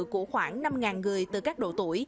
của khoảng năm người từ các độ tuổi